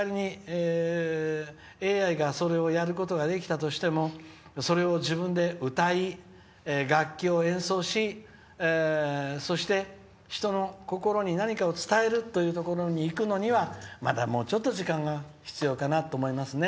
仮にＡＩがそれをやることができたとしてもそれを自分で歌い、楽器を演奏しそして、人の心に何かを伝えるというところにいくのにはまだ、もうちょっと時間が必要かなと思いますね。